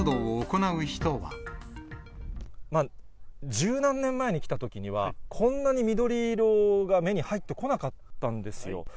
十何年前に来たときには、こんなに緑色が目に入ってこなかったんですよ。